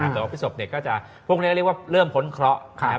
แต่ว่าพฤศพเนี่ยก็จะเริ่มพ้นเคราะห์